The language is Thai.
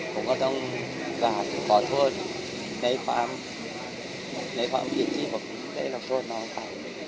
ผมก็ต้องขอโทษในความผิดที่ผมได้ขอโทษน้องค่ะ